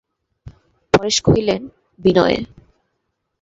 পরেশ কহিলেন, বিনয়!